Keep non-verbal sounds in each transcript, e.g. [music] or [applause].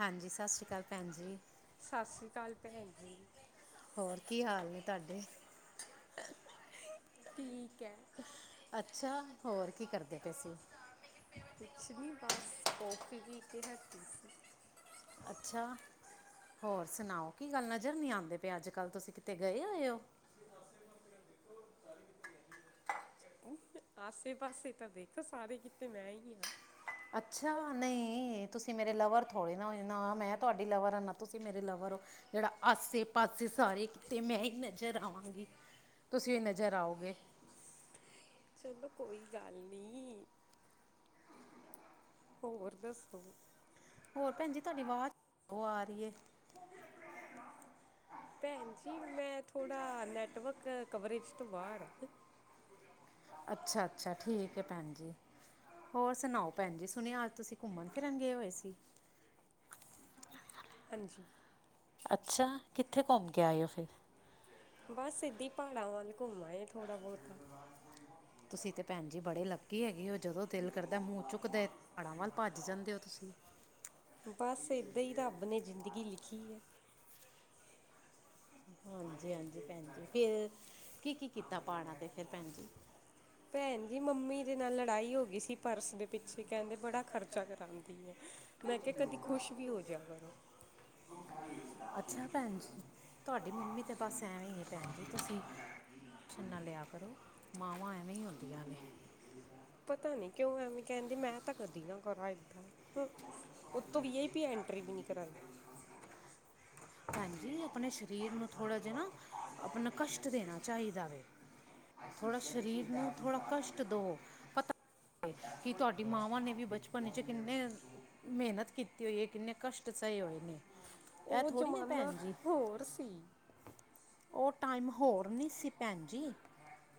ਹਾਂਜੀ ਸਤਿ ਸ੍ਰੀ ਅਕਾਲ ਭੈਣ ਜੀ। ਸਤਿ ਸ਼੍ਰੀ ਅਕਾਲ ਭੈਣ ਜੀ। ਹੋਰ ਕੀ ਹਾਲ ਨੇ ਤਾਡੇ ਠੀਕ ਹੈ। ਅੱਛਾ ਹੋਰ ਕੀ ਕਰਦੇ ਪਏ ਸੀਂ। ਕੁਛ ਨੀ ਬਸ ਕੌਫੀ ਵੀ ਕੇ ਹਟੀ ਸੀ। ਅੱਛਾ ਹੋਰ ਸੁਣਾਓ ਕੀ ਗੱਲ ਨਜ਼ਰ ਨੀ ਆਉਂਦੇ ਪਏ ਅੱਜ ਕੱਲ ਤੁਸੀਂ ਕਿਤੇ ਗਏ ਹੋਏ ਹੋ? ਆਸੇ ਪਾਸੇ ਤਾਂ ਦੇਖ ਸਾਰੇ ਕਿਤੇ ਮੈਂ ਹੀ ਹਾਂ। ਅੱਛਾ ਨਹੀਂ ਤੁਸੀਂ ਮੇਰੇ ਲਵਰ ਥੋੜੇ ਨਾ ਹੋ ਨਾ ਮੈਂ ਤੁਹਾਡੀ ਲਵਰ ਆ ਨਾ ਤੁਸੀਂ ਮੇਰੇ ਲਵਰ ਹੋ ਜਿਹੜਾ ਆਸੇ ਪਾਸੇ ਸਾਰੇ ਕੀਤੇ ਮੈਂ ਹੀ ਨਜ਼ਰ ਆਵਾਂਗੀ ਤੁਸੀਂ ਨਜ਼ਰ ਆਓਗੇ। ਚਲੋ ਕੋਈ ਗੱਲ ਨਹੀਂ। ਹੋਰ ਦੱਸੋ? ਹੋਰ ਭੈਣ ਜ ਤੁਹਾਡੀ ਆਵਾਜ਼ ਉਹ ਆ ਰਹੀ ਹੈ। ਭੈਣ ਜੀ ਮੈਂ ਥੋੜ੍ਹਾ ਨੈਟਵਰਕ ਕਵਰੇਜ ਤੋਂ ਬਾਹਰ ਅੱਛਾ ਅੱਛਾ ਠੀਕ ਹੈ ਭੈਣ ਜੀ। ਹੋਰ ਸੁਣਾਓ ਭੈਣ ਜੀ ਸੁਣਿਆ ਅੱਜ ਤੁਸੀਂ ਘੁੰਮਣ ਫਿਰੰਗੇ ਹੋਏ ਸੀ। ਹਾਂਜੀ। ਅੱਛਾ ਕਿੱਥੇ ਘੁੰਮ ਕੇ ਆਇਓ ਫਿਰ? ਬਸ ਇਦਾ ਹੀ ਪਹਾੜਾਂ ਵੱਲ ਘੁੰਮ ਥੋੜਾ ਬਹੁਤਾ। ਤੁਸੀਂ ਤੇ ਭੈਣ ਜੀ ਬੜੇ ਲੱਕੀ ਹੈਗੇ ਹੋ ਜਦੋਂ ਦਿਲ ਕਰਦਾ ਮੂੰਹ ਚੁੱਕਦਾ ਪਹਾੜਾਂ ਵੱਲ ਭੱਜ ਜਾਂਦੇ ਹੋ ਤੁਸੀਂ। ਬਸ ਇਹਦਾਂ ਹੀ ਰੱਬ ਨੇ ਜ਼ਿੰਦਗੀ ਲਿਖੀ ਹੈ। ਹਾਂਜੀ ਹਾਂਜੀ ਭੈਣ ਜ ਫਿਰ ਕੀ ਕੀ ਕੀਤਾ ਪਹਾੜਾਂ ਤੇ ਫਿਰ ਭੈਣ ਜ ਭੈਣ ਜੀ ਮੰਮੀ ਦੇ ਨਾਲ ਲੜਾਈ ਹੋ ਗਈ ਸੀ ਪਰਸ ਦੇ ਪਿੱਛੇ ਕਹਿੰਦੇ ਬੜਾ ਖਰਚਾ ਕਰਾਉਂਦੀ ਆ ਮੈਂ ਕਿਹਾ ਕਦੇ ਖੁਸ਼ ਵੀ ਹੋ ਜਾ ਕਰੋ। ਅੱਛਾ ਭੈਣ ਜੀ ਤੁਹਾਡੀ ਮੰਮੀ ਤੇ ਬਸ ਐਵੇਂ ਹੀ ਹੈ ਭੈਣ ਜੀ ਤੁਸੀਂ ਟੈਨਸ਼ਨ ਨਾ ਲਿਆ ਕਰੋ ਮਾਵਾਂ ਐ ਕਿਉ ਐਵੇਂ ਕਹਿੰਦੀ ਮੈਂ ਤਾਂ ਕਦੀ ਨਾ ਕਰਾਂ ਏਦਾਂ। ਤੋ ਯਹ ਬੀ ਐਂਟਰੀ ਨਹੀਂ ਕਰਾਈ ਭੈਣ ਜੀ ਆਪਣੇ ਸਰੀਰ ਨੂੰ ਥੋੜਾ ਜਿ ਨਾ ਆਪਣਾ ਕਸ਼ਟ ਦੇਣਾ ਚਾਹੀਦਾ ਵੇ ਥੋੜਾ ਸਰੀਰ ਨੂੰ ਥੋੜ੍ਹਾ ਕਸ਼ਟ ਦਓ ਪਤਾ ਕਿ ਤੁਹਾਡੀ ਮਾਵਾਂ ਨੇ ਵੀ ਬਚਪਨ 'ਚ ਕਿੰਨੇ ਮਿਹਨਤ ਕੀਤੀ ਹੋਈ ਹੈ ਕਿੰਨੇ ਕਸ਼ਟ ਸਹੇ ਹੋਏ ਨੇ ਇਹ ਉਹ ਥੋੜ੍ਹੀ ਨਾ ਜ਼ਮਾਨਾ ਭੈਣ ਜੀ ਹੋਰ ਸੀ ਉਹ ਟਾਈਮ ਹੋਰ ਨਹੀ ਸੀ ਭੈਣ ਜੀ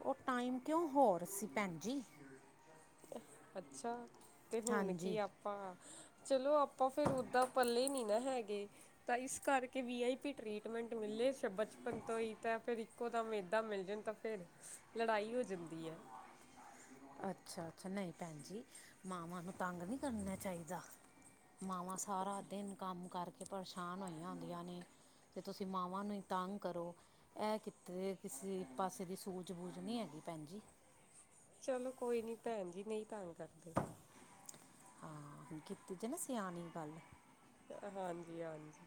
ਉਹ ਟਾਈਮ ਕਿਉਂ ਹੋਰ ਸੀ ਭੈਣ ਜੀ ਅੱਛਾ ਤੇ ਹੁਣ ਕੀ ਹਾਂਜੀ ਆਪਾਂ ਚਲੋ ਆਪ ਆਪਾਂ ਫਿਰ ਉੱਦਾਂ ਪੱਲੇ ਨਹੀਂ ਨਾ ਹੈਗੇ ਤਾਂ ਇਸ ਕਰਕੇ V I P treatment ਮਿਲਲੇ ਸਭ ਬਚਪ [unintelligible] ਪੰਤ ਹੀ ਤਾਂ ਫਿਰ ਇੱਕੋ ਦਮ ਏਦਾ ਮਿਲ ਜਾਣ ਤਾਂ ਫੇਰ ਲੜਾਈ ਹੋ ਜਾਂਦੀ ਹੈ ਅੱਛਾ ਅੱਛਾ ਨਹੀਂ ਭੈਣ ਜੀ ਮਾਵਾਂ ਨੂੰ ਤੰਗ ਨਹੀਂ ਕਰਨਾ ਚਾਹੀਦਾ ਮਾਵਾਂ ਸਾਰਾ ਦਿਨ ਕੰਮ ਕਰਕੇ ਪਰੇਸ਼ਾਨ ਹੋਈਆਂ ਹੁੰਦੀਆਂ ਨੇ ਤੇ ਤੁਸੀਂ ਮਾਵਾਂ ਨੂੰ ਹੀ ਤੰਗ ਕਰੋ ਇਹ ਕਿਤੇ ਕਿਸੇ ਪਾਸੇ ਦੀ ਸੂਝ ਬੂਝ ਨਹੀਂ ਹੈਗੀ ਭੈਣ ਜੀ ਚਲੋ ਕੋਈ ਨੀ ਭੈਣ ਜੀ ਨਹੀਂ ਤੰਗ ਕਰਦੇ ਹਾਂ ਕੀਤੀ ਜਾ ਨਾ ਸਿਆਣੀ ਗੱਲ ਹਾਂਜੀ ਹਾਂਜੀ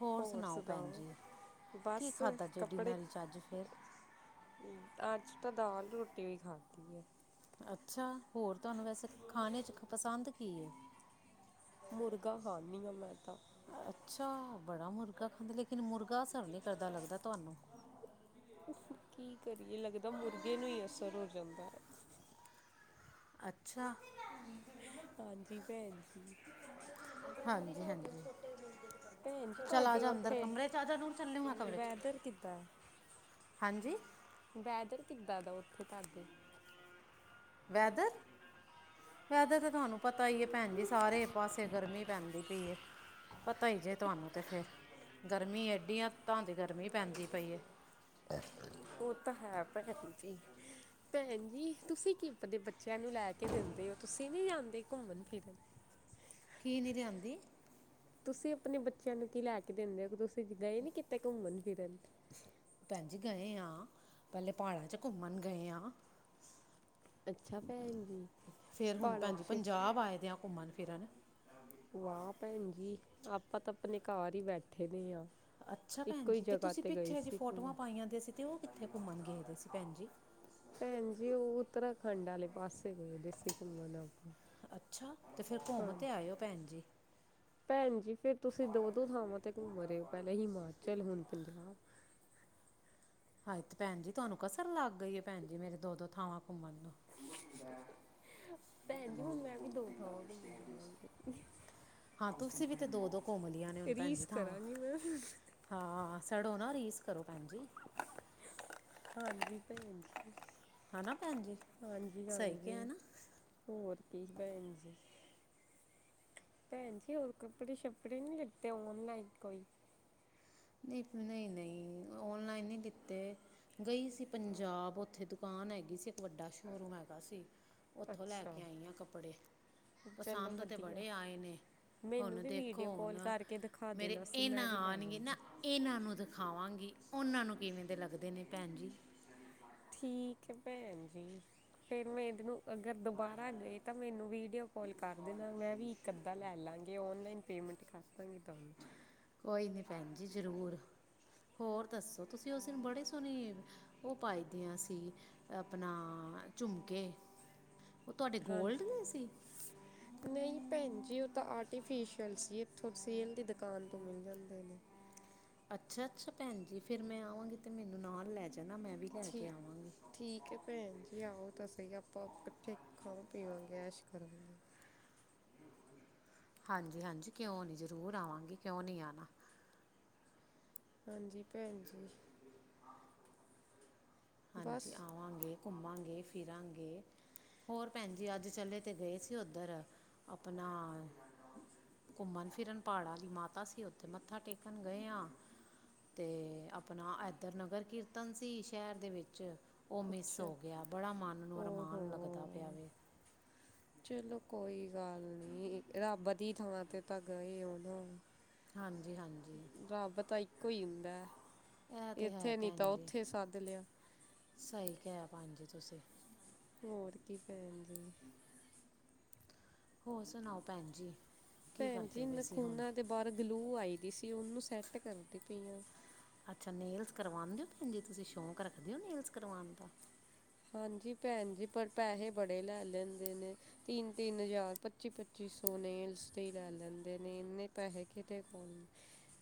ਹੋਰ ਸੁਣਾਓ ਭੈਣ ਜੀ ਸੁਣਾਓ ਕੀ ਬਸ ਖਾਧਾ ਜੇ ਡਿਨਰ ਕੱਪੜੇ ਚ ਅੱਜ ਫਿਰ ਅੱਜ ਤਾਂ ਦਾਲ ਰੋਟੀ ਵੀ ਖਾਧਦੀ ਆ ਅੱਛਾ ਹੋਰ ਤੁਹਾਨੂੰ ਵੈਸੇ ਖਾਣੇ ਚ ਪਸੰਦ ਕੀ ਹੈ ਮੁਰਗਾ ਖਾਂਦੀ ਹਾਂ ਮੈਂ ਤਾਂ ਅੱਛਾ ਬੜਾ ਮੁਰਗਾ ਖਾਂਦਾ ਲੇਕਿਨ ਮੁਰਗਾ ਅਸਰ ਨਹੀਂ ਕਰਦਾ ਲੱਗਦਾ ਤੁਹਾਨੂੰ ਕੀ ਹੁੰਦਾ ਅੱਛਾ। ਹਾਂਜੀ ਭੈਣ ਜੀ, ਹਾਂਜੀ ਹਾਂਜੀ ਭੈਣ ਜੀ ਚਲ ਆ ਤੁਹਾਡੇ ਜਾ ਅੰਦਰ ਔਥੇ ਕਮਰੇ 'ਚ ਆ ਜਾ ਨੂਰ ਚੱਲੇ ਮੈਂ ਕਮਰੇ 'ਚ ਵੈਦਰ ਕਿੱਦਾਂ? ਹਾਂਜੀ। ਵੈਦਰ ਕਿੱਦਾਂ ਦਾ ਔਥੇ ਤੁਹਾਡੇ? ਵੈਦਰ, ਵੈਦਰ ਤੇ ਤੁਹਾਨੂੰ ਪਤਾ ਈ ਹੈ ਭੈਣ ਜੀ ਸਾਰੇ ਪਾਸੇ ਗਰਮੀ ਪੈਂਦੀ ਪਈ ਏ, ਪਤਾ ਹੀ ਜੇ ਤੁਹਾਨੂੰ ਤੇ ਫਿਰ। ਗਰਮੀ ਐਡੀ ਅੰਤਾ ਦੀ ਗਰਮੀ ਪੈਂਦੀ ਪਈ ਏ। ਔ ਤਾਂ ਹੈ ਭੈਣ ਜੀ, ਭੈਣ ਜੀ ਤੁਸੀਂ ਕੀ ਆਪਦੇ ਬੱਚੇ ਬੱਚਿਆਂ ਨੂੰ ਲੈ ਕੇ ਦਿੰਦੇ ਹੋ ਤੁਸੀਂ ਨੀ ਜਾ ਕਿਤੇ ਘੁੰਮਣ ਫਿਰਨ। ਕੀ ਨਹੀਂ ਲਿਆਂਦੀ? ਤੁਸੀਂ ਆਪਣੇ ਬੱਚਿਆਂ ਨੂੰ ਕੀ ਲੈ ਕੇ ਦਿੰਦੇ ਹੋ ਕਿ ਤੁਸੀਂ ਗਏ ਨੀ ਕਿਤੇ ਘੁੰਮਣ ਫਿਰਨ? ਭੈਣ ਜੀ ਗਏ ਆਂ, ਪਹਿਲਾਂ ਪਹਾੜਾਂ ਚ ਘੁੰਮਣ ਗਏ ਆਂ। ਅੱਛਾ ਭੈਣ ਜੀ ਫੇਰ ਹੁਣ ਪਹਾੜਾਂ ਭੈਣ ਜੀ 'ਚ ਪੰਜਾਬ ਆਏ ਦੇ ਆ ਘੁੰਮਣ। ਫੇਰ ਆਣਾ? ਵਾਹ ਭੈਣ ਜੀ ਆਪਾਂ ਤਾਂ ਆਪਣੇ ਘਰ ਹੀ ਬੈਠੇ ਦੇ ਆ। ਅੱਛਾ ਇੱਕੋ ਹੀ ਭੈਣਜੀ, ਤੇ ਜਗ੍ਹਾ ਤੁਸੀਂ ਗਏ ਪਿੱਛੇ ਜੀ ਸੀ ਘੁੰਮਣ ਫੋਟੋਆਂ ਪਾਈਆਂ ਦੀ ਸੀ ਤੇ ਔ ਕਿੱਥੇ ਘੁੰਮਣ ਗਏ ਦੇ ਭੈਣ ਜੀ। ਭੈਣ ਜੀ ਔ ਉੱਤਰਾਖੰਡ ਆਲੇ ਪਾਸੇ ਗਏ ਦੇ ਸੀ ਘੁੰਮਣ ਆਪਾਂ। ਅੱਛਾ, ਤੇ ਫੇਰ ਘੁੰਮ ਤੇ ਹਾਂਜੀ ਆਇ ਔ ਭੈਣ ਜੀ। ਭੈਣ ਜੀ। ਫੇਰ ਤੁਸੀਂ ਦੋ ਦੋ ਥਾਵਾਂ 'ਤੇ ਘੁੰਮ ਰਹੇ ਹੋ ਪਹਿਲਾਂ ਹਿਮਾਚਲ ਹੁਣ ਪੰਜਾਬ। ਹਾਏ ਤੇ ਭੈਣ ਜੀ ਤੁਹਾਨੂੰ ਕਸਰ ਲੱਗ ਗਈ ਏ ਭੈਣ ਜੀ ਮੇਰੇ ਦੋ ਦੋ ਥਾਵਾਂ ਘੁੰਮਣ ਨੂ। ਭੈਣ ਜੀ, ਹੁਣ ਮੈਂ ਵੀ ਦੋ ਥਾਵਾਂ ਘੁੰਮਨ ਜਾਵਾਂਗੀ। ਦੋ-ਦੋ ਕੁਮਲੀਆਂ ਨੇ ਹੁਣ ਭੈਣਜੀ ਰੀਸ ਥਾਵਾਂ। ਕਰਾਂਗੀ ਮੈਂ ਹਾਂ ਸੜੋ ਨਾ ਰੀਸ ਕਰੋ ਭੈਣ ਜੀ। ਹਾਂਜੀ, ਭੈਣਜੀ। ਹਨਾ ਭੈਣ ਜੀ, ਸਹੀ ਕਿਹਾ ਹਾਂਜੀ ਨਾ? ਹੋਰ ਕੀ ਭੈਣਜੀ? ਭੈਣ ਜੀ ਹੋਰ ਕੱਪੜੇ-ਸ਼ੱਪੜੇ ਨਹੀ ਲੀਤੇ ਔਨਲਾਈਨ ਕੋਈ? ਨਹੀਂ ਨਹੀਂ ਨਹੀਂ, ਔਨਲਾਈਨ ਨਹੀਂ ਲੀਤੇ। ਗਈ ਸੀ ਪੰਜਾਬ ਔਥੇ ਦੁਕਾਨ ਹੈਗੀ ਸੀ ਇੱਕ ਵੱਡਾ ਸ਼ੋਰੂਮ ਹੈਗਾ ਸੀ। ਔਥੋਂ ਲੈ ਅੱਛਾ ਕੇ ਆਈ ਆ ਕੱਪੜੇ। ਚਲੋ ਪਸੰਦ ਤੇ ਵਧੀਆ ਬੜੇ ਆਏ ਨੇ। ਮੈਨੂੰ ਹੁਣ ਵੀ ਦੇਖੋ ਵੀਡੀਓ ਕਾਲ ਹੁਣ ਕਰਕੇ ਦਿਖਾ ਮੇਰੇ ਦੇਣਾ ਸੀ ਇਹ ਨਾ ਮੈਂ ਵੀ ਲੈ ਆਣਗੇ ਨਾ ਲੈਂਦੀ। ਇਹਨਾਂ ਨੂੰ ਦਿਖਾਵਾਂਗੀ, ਔਨਾਂ ਨੂੰ ਕਿਵੇਂ ਦੇ ਲੱਗਦੇ ਨੇ ਭੈਣ ਜੀ। ਠੀਕ ਏ ਭੈਣ ਜੀ ਫੇਰ ਮੈਂ ਇਹਦ ਨੂੰ ਅਗਰ ਦੁਬਾਰਾ ਗਏ ਤਾਂ ਮੈਨੂੰ ਵੀਡੀਔ ਕਾਲ ਕਰ ਦੇਣਾ ਮੈਂ ਵੀ ਇੱਕ ਅੱਧਾ ਲੈ ਲਾਂਗੀ ਔਨਲਾਈਨ। ਪੇਮੈਂਟ ਕਰ ਦਾਂਗੀ ਤੁਹਾਨੂੰ। ਕੋਈ ਨੀ ਭੈਣ ਜੀ, ਜ਼ਰੂਰ ਹੋਰ ਦੱਸੋ, ਤੁਸੀਂ ਔਸ ਦਿਨ ਬੜੇ ਸੋਹਣੇ ਔ ਪਾਈ ਦੀਆਂ ਸੀ ਆਪਣਾ ਝੁਮਕੇ। ਉਹ ਤੁਹਾਡੇ ਗੋਲਡ ਦੇ ਸੀ ਹਾਂਜੀ ਨਹੀਂ ਭੈਣ ਜੀ ਉਹ ਤਾਂ ਆਥੋਂ ਸੇਲ ਦੀ ਦੁਕਾਨ ਤੋਂ ਮਿਲ ਜਾਂਦੇ ਨੇ ਅੱਛਾ ਅੱਛਾ ਭੈਣ ਜੀ ਫੇਿਰ ਮੈਂ ਆਵਾਂਗੀ ਤੇ ਮੈਨੂੰ ਨਾਲ ਲੈ ਜਾ ਠੀ ਠੀਕ ਹੈ ਭੈਣ ਜੀ ਆਓ ਤਾਂ ਸਹੀ ਆਪਾਂ ਇਕੱਠੇ ਖਾਓ ਪੀਵਗਏ ਐਸ਼ ਕਰਾ ਗਏ ਹਾਂਜੀ ਹਾਂਜੀ ਕਿਉਂ ਨੀ ਜ਼ਰੂਰ ਆਵਾਂਗੀ ਕਿਉਂ ਨਹੀਂੀ ਆਣਾ ਹਾਂਜੀ ਭੈਣ ਜੀ ਬਸ ਹਾਂਜੀ ਆਵਾਂਗੇ ਘੁੰਮਾਂਗੇ ਫਿਰਾਂਗੇ ਹੋਰ ਭੈਣ ਜੀ ਅੱਜ ਚਲੇੇ ਤੇ ਗਏ ਸੀ ਉੱਧਰ ਆਪਣਾ ਘੁੰਮਣ ਫਿਰਨ ਪਹਾੜਾਂ ਵਾਲੀ ਮਾਤਾ ਸੀ ਉੱਥੇ ਮੱਥਾ ਟੇਕਣ ਗਏ ਹਾਂ ਤੇ ਆਪਣਾ ਐਦਰ ਨਗਰ ਕੀਰਤਨ ਸੀ ਸ਼ਹਿਰ ਦੇ ਵਿੱਚ ਅੱਚ ਉਹ ਮਿਸ ਅੱਛਾ ਹੋ ਗਿਆ ਬੜਾ ਮਨ ਨੂੰ ਅਰਮਾਨ ਲੱਗਦਾ ਪਿਆ ਓਹੋ ਵ ਚਲੋ ਕੋਈ ਗੱਲ ਨੀ ਰੱਬ ਦੀ ਥਾਂ ਤੇ ਤਾਂ ਗਏ ਹੋ ਨਾ ਹਾਂਜੀ ਹਾਂਜੀ ਰੱਬ ਤਾਂ ਇੱਕੋ ਹੀ ਹੁੰਦਾ ਇਹ ਤੇ ਹੈ ਇੱਥੇ ਨੀ ਤਾਂ ਭੈਣ ਜੀ ਉਓਥੇ ਸੱਦ ਲਿਆ ਹਾਂਜੀ ਤੁਸੀਂ ਹੋਰ ਕੀ ਫ ਹਮ ਹੋਰ ਸੁਣਾਓ ਭੈਣ ਜੀ ਕੀ ਭੈਣ ਜੀ ਕਰਦੇ ਪਏ ਸੀ ਹੁਣ ਨਖੂਨਾ ਦੇ ਬਾਰ ਗਲੂ ਉਹ ਆਈ ਦੀ ਸੀ ਉਹਨੂੰ ਸੈੱਟ ਕਰਦੀ ਪਈ ਆ ਅੱਛਾ ਨੇਲਸ ਕਰਵਾਉਂਦੇਓ ਭੈਣ ਜੀ ਤੁਸੀਂ ਸ਼ੌਂਕ ਰੱਖਦੇ ਹੋ ਨੇਲਸ ਕਰਵਾਉਣ ਦਾ ਹਾਂਜੀ ਭੈਣ ਜੀ ਪਰ ਪੇਹੇ ਬੜੇ ਲੈ ਲੈਂਦੇ ਨੇ ਤਿੰਨ ਤਿੰਨ ਹਜ਼ਾਰ ਪੱਚੀ ਪੱਚੀ ਸੌ ਨੇਲਸ ਤੇ ਲੈ ਲੈਂਦੇ ਨੇ ਇਨੇ ਪੈਸੇ ਕਿਤੇ ਕੋਲ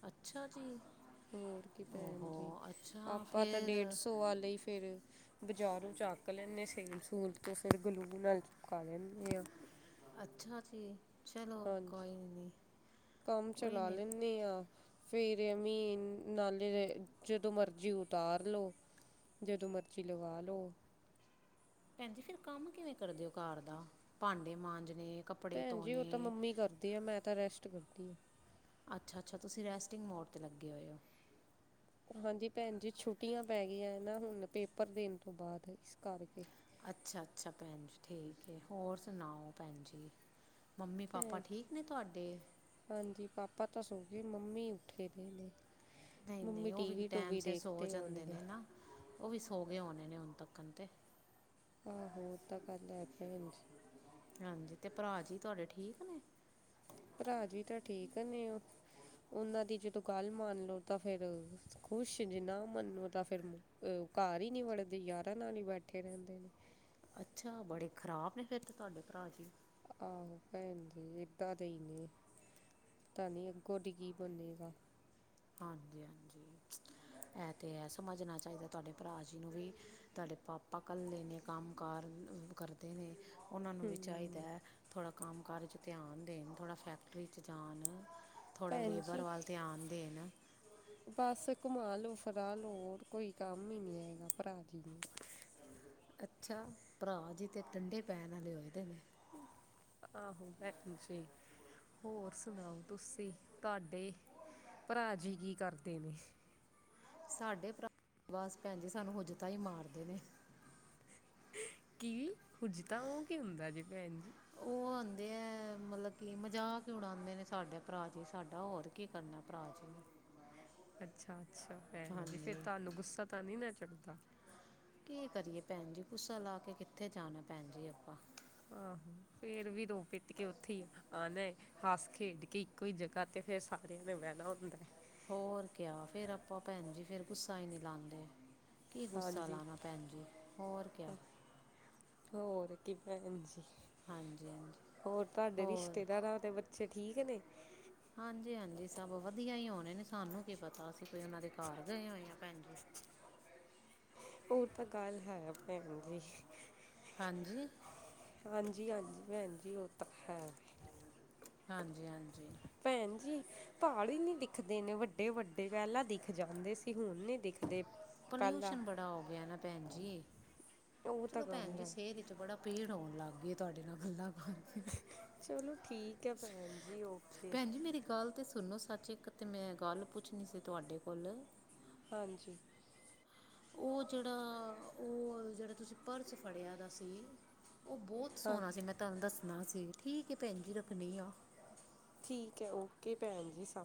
ਅੱਛਾ ਜੀ ਹੋਰ ਕੀ ਭੈਣ ਓਹੋ ਜੀ ਅੱਛਾ ਆਪਾਂ ਤਾਂ ਫਿਰ ਡੇਢ ਸੌ ਵਾਲੇ ਫੇਿਰ ਬਾਜ਼ਾਰੋਂ ਚੱਕ ਲੈਂਦੇ ਸੇਲ ਸੂਲ ਜਸੇ ਗੁਲੂ ਗੁਲ ਕਾਲੇ ਆ ਅੱਛਾ ਜੀ ਚਲੋ ਕੋਈ ਹਾਂਜੀ ਨੀ ਕੰਮ ਚਲਾ ਲੈਂਦੇ ਹਾਂ ਫੇਰ ਮ ਨਾਲੇ ਜਦੋਂ ਮਰਜ਼ੀ ਉਤਾਰ ਲੋ ਜਦੋਂ ਮਰਜ਼ੀ ਲਗਾ ਲਓ ਭੈਣਜੀ ਫਿਰ ਕੰਮ ਕਿਵੇਂ ਕਰਦੇ ਹੋ ਕਾਰ ਦਾ ਭਾਂਡੇ ਮਾਂਜਣੇ ਕੱਪੜੇ ਭੈਣ ਜੀ ਉਹ ਧੋਣੇ ਤਾਂ ਮੰਮੀ ਕਰਦੀ ਆ ਮੈਂ ਤਾਂ ਰੈਸਟ ਘਟ ਕਰਦੀ ਅੱਛਾ ਅੱਛਾ ਤੁਸੀਂ ਰੈਸਟਿੰਗ ਮੋਡ 'ਤੇ ਲੱਗੇ ਹੋਏ ਹੋ ਹਾਂ ਹਾਂਜੀ ਭੈਣ ਜੀ ਛੁੱਟੀਆਂ ਪੈ ਗਈਆਂ ਨਾ ਹੁਣ ਪੇਪਰ ਦੇਣ ਤੋਂ ਬਾਅਦ ਇਸ ਕਰਕੇ ਅੱਛਾ ਅੱਛਾ ਭੈਣ ਜ ਠੀਕ ਹੈ ਹੋਰ ਸੁਣਾਓ ਭੈਣ ਜੀ ਮੰਮੀ ਪਾਪਾ ਠੀਕ ਨੇ ਤੁਹਾਡੇ ਹਾਂਜੀ ਪਾਪਾ ਤਾਂੱਸੋ ਫ ਮੰਮੀ ਉੱਠੇ ਦੇ ਨੇ ਨਹੀਂ ਮੰਮੀ ਨਹੀਂ ਉਹ ਵੀ ਟੀਵੀ ਟੈਮ ਟੂਵੀ ਸਿਰ ਸੋ ਦੇਖਦੇ ਜਾਂਦੇ ਹੋਣਗੇ ਨੇ ਨਾ ਉਹ ਵੀ ਸੋ ਹਗੇ ਨੇ ਨੇੇ ਹੁੰਣ ਤੱਕਤੇ ਹਜੀ ਹਾਂਜੀ ਤੇ ਭਰਾ ਜੀ ਤੁਹਾਡੇ ਠੀਕ ਨੇ ਭਰਾਜੀ ਵੀ ਤਾਂ ਠੀਕ ਨੇ ਉਹ ਨਾਂ ਦੀ ਜਦੋਂ ਗੱਲ ਮੰਨਲੋ ਤਾਂ ਫਿਰ ਖੁਸ਼ ਜ ਨਾ ਮੰਨੋ ਤਾਂ ਫਿਰ ਘਰ ਹੀ ਨੀ ਵੜਦੇ ਯਾਰਾਂ ਨਾਲ ਹੀ ਬੈਠੇ ਰਹਿੰਦੇ ਨੇ ਅੱਛਾ ਬੜੇ ਖ਼ਰਾਬ ਨੇ ਫਿਰ ਤੇ ਤੁਹਾਡੇ ਭਰਾ ਜੀ ਆਹੋ ਭੈਣ ਜੀ ਏਦਾਂ ਦੇ ਹੀ ਨੇ ਪਤਾ ਨਹੀਂੀ ਅਗੋਂ ਡ ਕੀ ਬਨੇਗਾ ਹਾਂਜੀ ਹਾਂਜੀ ਇਹ ਤੇ ਹੈ ਸਮਝਣਾ ਚਾਹੀਦਾ ਤੁਹਾਡੇ ਭਰਾ ਜੀ ਨੂੰ ਵੀ ਤੁਹਾਡੇ ਪਾਪਾ ਘੱਲੇ ਨੇ ਕੰਮ ਕਾਰ ਕਰਦੇ ਨੇ ਉਹਨਾਂ ਨੂੰ ਵੀ ਚਾਹੀਦਾ ਹੂੰ ਹੈ ਥੋੜ੍ਹਾ ਕੰਮ ਕਾਰਜ ਧਿਆਨ ਦੇਣ ਥੋੜ੍ਹਾ ਫੈਕਟਰੀ 'ਚ ਜਾਣ ਥੋੜ੍ਹਾ ਭੈਣ ਲੇਬਰ ਜੀ ਵੱਲ ਧਿਆਨ ਦੇਣ ਬਸ ਘੁਮਾ ਲਓ ਫਰਾ ਲੋ ਕੋਈ ਕੰਮ ਹੀ ਨਹੀਂੀ ਹੈਗਾ ਭਰਾ ਜੀ ਨੂੰ ਅੱਛਾ ਭਰਾ ਜੀ ਤੇ ਠੰਡੇ ਪੈਣ ਵਾਲੇ ਏਦੇ ਨੇ ਆਹੋ ਭੈਣ ਜੀ ਹੋਰ ਸੁਣਾਓ ਤੁਸੀਂ ਤੁਹਾਡੇ ਭਰਾ ਜੀ ਕੀ ਕਰਦੇ ਨੇ ਸਾਡੇ ਭਰਾ ਬਸ ਭੈਣ ਜੀ ਸਾਨੂੰ ਹੁਜਤਾਂ ਹੀ ਮਾਰਦੇ ਨੇ ਕੀ ਵੀ ਹੁਜਤਾਂ ਤਾਂ ਉਹ ਕੀ ਹੁੰਦਾ ਜੇ ਭੈਣ ਜੀ ਕਦੇ ਮਤਲਬ ਕੀ ਮਜ਼ਾਕ ਕਿਉਂਣ ਆਉਂਦੇ ਨੇ ਸਾਡੇ ਭਰਾ ਜੀ ਸਾਡਾ ਹੋਰ ਕੀ ਕਰਨਾ ਭਰਾ ਜੀ ਨੇ ਅੱਛਾ ਅੱਛਾ ਭੈਣ ਜੀ ਫਰ ਹਾਂਜੀ ਤੁਹਾਨੂੰ ਗੁੱਸਾ ਤਾਂ ਨੀ ਨਾ ਚੜਦਾ ਤਾਂ ਕੀ ਕਰੀਏ ਭੈਣ ਜੀ ਗੁੱਸਾ ਲਾ ਕੇ ਕਿੱਥੇ ਜਾਣਾ ਭੈਣ ਜੀ ਆਪਾਂ ਆਹੋ ਫੇਰ ਵੀ ਰੋ ਪਿੱਟ ਕੇ ਉੱਥੇ ਆਉਣਾ ਹੱਸ ਖੇਡ ਕੇ ਇੱਕੋ ਹੀ ਜਗ੍ਹਾ ਤੇ ਫੇਰ ਸਾਰਿਆਂ ਨੇ ਬਹਿਣਾ ਹੁੰਦਾ ਹੈ ਹੋਰ ਕ ਫੇਰ ਆਪਾਂ ਭੈਣ ਜੀ ਫਰ ਗੁੱਸਾ ਹੀ ਨਹੀਂੀ ਲਾਉਦੇ ਕੀ ਗੁੱਸਾ ਹਾਂਜੀ ਲਾਮਾ ਭੈਣ ਜੀ ਹੋਰ ਕਿਆ? ਹੋਰ ਕੀ ਪੈਰਗੈਨਸੀ। [unintelligible] ਹਾਂਜੀ ਹਾਂਜੀ ਹੋਰ ਤੁਹਾਡੇ ਹੋਰ ਰਿਸ਼ਤੇਦਾਰਾਂ ਦੇ ਬੱਚੇ ਠੀਕ ਨੇ? ਹਾਂਜੀ ਹਾਂਜੀ ਸਭ ਵਧੀਆ ਹੀ ਹੋਣੇ ਨੇ ਸਾਨੂੰ ਕੀ ਪਤਾ ਅਸੀਂ ਕੋਈ ਉਹਨਾਂ ਦੇ ਘਰ ਗਏ ਹੋਏ ਹਾਂ ਭੈਣ ਜੀ। ਉਹ ਤਾਂ ਗੱਲ ਹੈ ਭੈਣ ਜੀ। ਹਾਂਜੀ ਹਾਂਜੀ ਹਾਂਜੀ ਭੈਣ ਜੀ ਉਹ ਤਾਂ ਹੈ ਹਾਂਜੀ ਹਾਂਜੀ। ਭੈਣ ਜੀ ਪਹਾੜ ਨਹੀਂ ਦਿਖਦੇ ਨੇ ਇੰਨੇ ਵੱਡੇ ਵੱਡੇ ਪਹਿਲਾਂ ਦਿਖ ਜਾਂਦੇ ਸੀ ਹੁਣ ਨੀ ਦਿਖਦੇ? ਪਹਿਲਾਂ ਪੋਲਿਊਸ਼ਨ ਬੜਾ ਹੋ ਗਿਆ ਨਾ ਭੈਣ ਜੀ। ਜੀ। ਉਹ ਤਾਂ ਚਲੋ ਗੱਲ ਭੈਣ ਜੀ ਹੈ ਸੇਰ ਵਿਚ ਬੜਾ ਭੀੜ ਹੋਣ ਲੱਗ। ਇਹ ਤੁਹਾਡੇ ਨਾਲ ਗੱਲਾਂ। ਕਰਕੇ। ਚਲੋ ਠੀਕ ਹੈ ਭੈਣ ਜੀ ਓਕੇ। ਤੁਹਾਨੂੰ ਸੱਚ ਤੇ ਇੱਕ ਮੈਂ ਗੱਲ ਪੁੱਛਣੀ ਸੀ ਤੁਹਾਡੇ ਕੋਲ? ਹਾਂਜੀ। ਉਹ ਜਿਹੜਾ ਉਹ ਜਿਹੜਾ ਤੁਸੀਂ ਪਰਸ ਫੜਿਆ ਦਾ ਸੀ। ਉਹ ਬਹੁਤ ਹਾਂ ਸੋਹਣਾ ਸੀ ਮੈਂ ਤੁਹਾਨੂੰ ਦੱਸ? ਨਾ ਸੀ ਠੀਕ ਹੈ ਭੈਣ ਜੀ ਰੱਖਣੀ ਆ। ਠੀਕ ਹੈ ਓਕੇ ਭੈਣ ਜੀ ਸਾ।